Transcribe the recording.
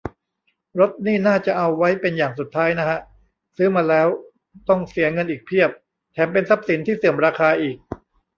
รถนี่น่าจะเอาไว้เป็นอย่างสุดท้ายนะฮะ ซื้อมาแล้วต้องเสียเงินอีกเพียบ แถมเป็นทรัพย์สินที่เสื่อมราคาอีก